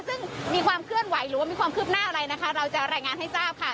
ซึ่งมีความเคลื่อนไหวหรือว่ามีความคืบหน้าอะไรนะคะเราจะรายงานให้ทราบค่ะ